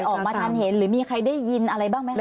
ออกมาทันเห็นหรือมีใครได้ยินอะไรบ้างไหมคะ